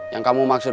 yang kamu maksud